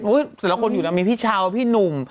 อุ๊ยแต่ละคนอยู่นะมีพี่เช้าพี่หนุ่ม